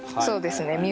そうですね